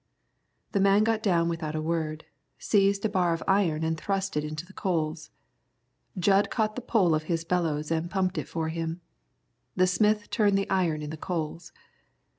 The man got down without a word, seized a bar of iron and thrust it into the coals. Jud caught the pole of his bellows, and pumped it for him. The smith turned the iron in the coals.